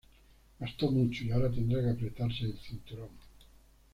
Gastó mucho y ahora tendrá que apretarse el cinturón